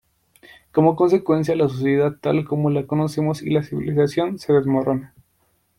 Como consecuencia, la sociedad tal como la conocemos y la civilización se desmorona.